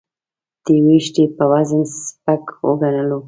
د وېښتې په وزن سپک وګڼلو.